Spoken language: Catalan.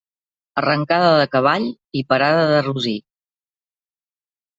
Arrancada de cavall i parada de rossí.